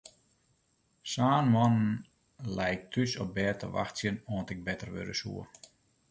Sân moannen lei ik thús op bêd te wachtsjen oant ik better wurde soe.